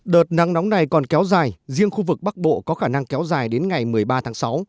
đợt nắng nóng này còn kéo dài riêng khu vực bắc bộ có khả năng kéo dài đến ngày một mươi ba tháng sáu